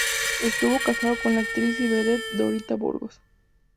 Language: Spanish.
Estuvo casado con la actriz y vedette Dorita Burgos.